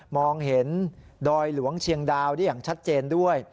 มองเห็นดอยหลวงเชียงดาวได้อย่างชัดเจนด้วย